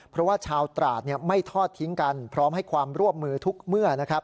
เพราะว่าชาวตราดไม่ทอดทิ้งกันพร้อมให้ความร่วมมือทุกเมื่อนะครับ